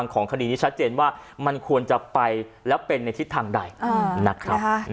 ของคดีนี้ชัดเจนว่ามันควรจะไปแล้วเป็นในทิศทางใดนะครับ